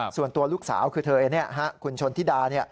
ส่วนตัวลูกสาวคือคุณชนธิดา